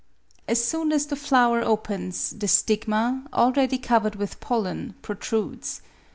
As soon as the flower opens, the stigma, already covered with pollen, protrudes.